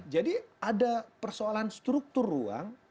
jadi ada persoalan struktur ruang